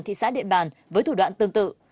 thị xã điện bàn với thủ đoạn tương tự